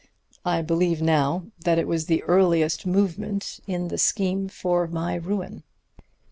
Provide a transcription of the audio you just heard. I believe now that it was the earliest movement in the scheme for my ruin.